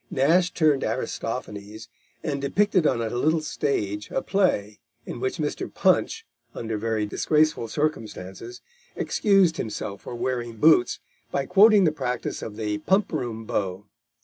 Nash turned Aristophanes, and depicted on a little stage a play in which Mr. Punch, tinder very disgraceful circumstances, excused himself for wearing boots by quoting the practice of the pump room beaux.